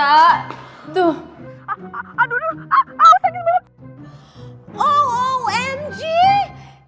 aduh sakit banget